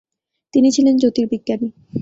তিনি ছিলেন জ্যোতির্বিজ্ঞানী।